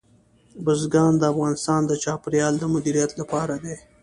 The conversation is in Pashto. بزګان د افغانستان د چاپیریال د مدیریت لپاره دي.